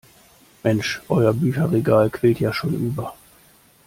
Mensch, euer Bücherregal quillt ja schon über.